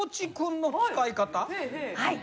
はい！